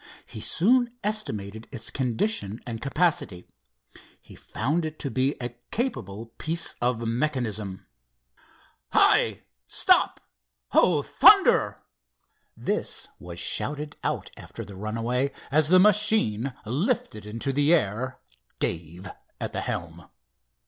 He soon estimated its condition and capacity. He found it to be a capable piece of mechanism. "Hi, stop—Oh, thunder!" This was shouted out after the runaway as the machine lifted into the air, Dave at the helm.